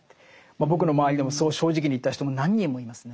僕の周りでもそう正直に言った人も何人もいますね。